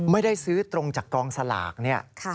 ไม่ได้ซื้อตรงจากกองสลากเนี่ย